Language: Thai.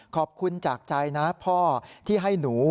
ขอบคุณจากใจนะพ่อที่ให้หนู